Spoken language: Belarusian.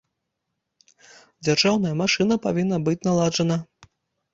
Дзяржаўная машына павінна быць наладжана.